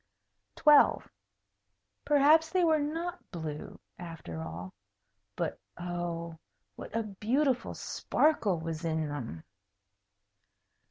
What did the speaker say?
12. Perhaps they were not blue, after all. But, oh! what a beautiful sparkle was in them!